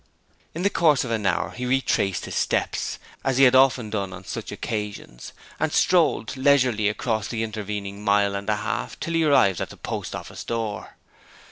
In the course of an hour he retraced his steps, as he had often done on such occasions, and strolled leisurely across the intervening mile and a half till he arrived at the post office door.